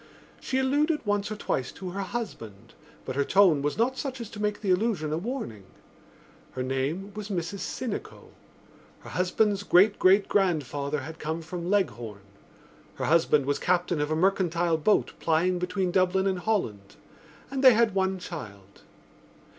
She alluded once or twice to her husband but her tone was not such as to make the allusion a warning. Her name was Mrs Sinico. Her husband's great great grandfather had come from Leghorn. Her husband was captain of a mercantile boat plying between Dublin and Holland; and they had one child.